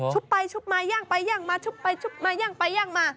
ไปชุบมาย่างไปย่างมาชุบไปชุบมาย่างไปย่างมา